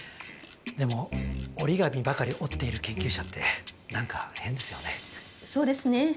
でも折り紙ばかり折っている研究者って何か変ですよね。